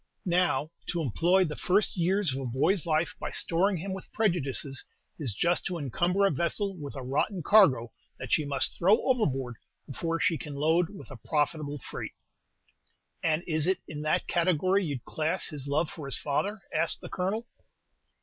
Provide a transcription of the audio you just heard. Now, to employ the first years of a boy's life by storing him with prejudices, is just to encumber a vessel with a rotten cargo that she must throw overboard before she can load with a profitable freight." "And is it in that category you'd class his love for his father?" asked the Colonel.